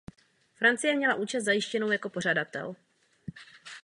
Francie měla účast zajištěnou jako pořadatel.